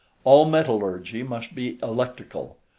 All metallurgy must be electrical.